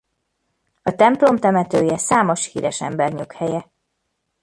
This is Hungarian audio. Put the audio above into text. A templom temetője számos híres ember nyughelye.